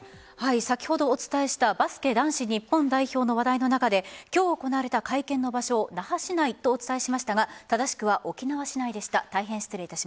先ほどお伝えしたバスケ男子日本代表の話題の中で今日行われた会見の場所を那覇市内とお伝えしましたが正しくは沖縄市内でした。